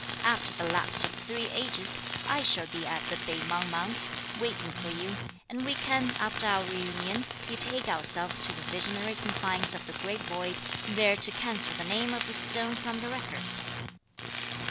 After the lapse of three ages, I shall be at the Pei Mang mount, waiting for you; and we can, after our reunion, betake ourselves to the Visionary Confines of the Great Void, there to cancel the name of the stone from the records."